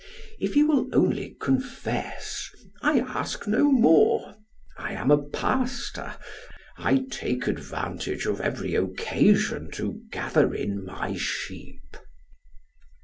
If you will only confess, I ask no more. I am a pastor; I take advantage of every occasion to gather in my sheep."